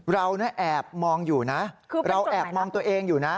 เราแอบมองอยู่นะเราแอบมองตัวเองอยู่นะ